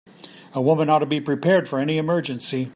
A woman ought to be prepared for any emergency.